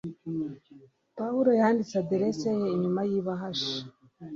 Pawulo yanditse adresse ye inyuma y ibahasha